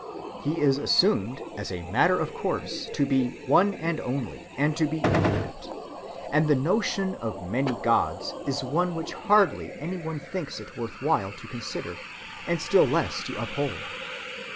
He is assumed as a matter of course to be "one and only" and to be "infinite"; and the notion of many finite gods is one which hardly any one thinks it worth while to consider, and still less to uphold.